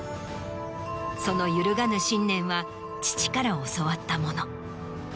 その揺るがぬ信念は父から教わったもの。